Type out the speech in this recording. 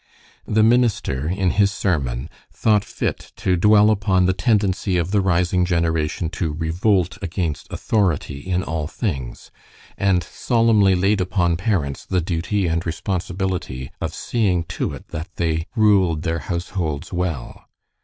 The minister, in his sermon, thought fit to dwell upon the tendency of the rising generation to revolt against authority in all things, and solemnly laid upon parents the duty and responsibility of seeing to it that they ruled their households well.